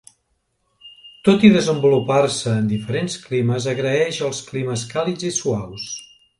Tot i desenvolupar-se en diferents climes, agraeix els climes càlids i suaus.